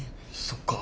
そっか。